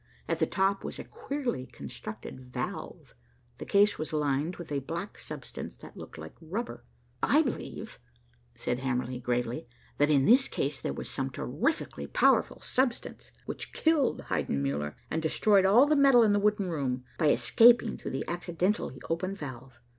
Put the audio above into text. At the top was a queerly constructed valve, the case was lined with a black substance that looked like rubber. "I believe," said Hamerly gravely, "that in this case there was some terrifically powerful substance, which killed Heidenmuller and destroyed all the metal in the wooden room, by escaping through the accidentally opened valve.